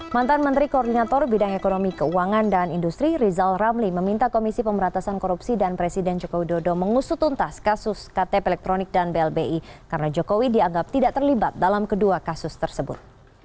mantan menteri koordinator bidang ekonomi keuangan dan industri rizal ramli meminta komisi pemberantasan korupsi dan presiden jokowi dodo mengusutuntas kasus ktp elektronik dan blbi karena jokowi dianggap tidak terlibat dalam kedua kasus tersebut